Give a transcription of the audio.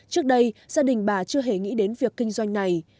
trước đây gia đình bà chưa hề nghĩ đến việc kinh doanh này